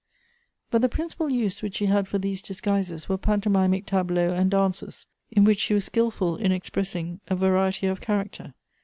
But the principal use which she had for these disguises ■ were pantomimic tableaux and dances, in which she was skilful in expressing a variety of character.